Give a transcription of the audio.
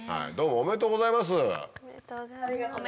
おめでとうございます！